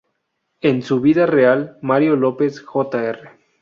En su vida real Mario López Jr.